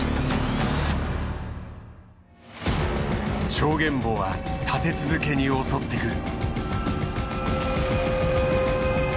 チョウゲンボウは立て続けに襲ってくる。